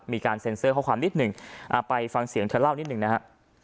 มีการเซ็นเซอร์ข้อความนิดหนึ่งไปฟังเสียงเธอเล่านิดหนึ่งนะฮะ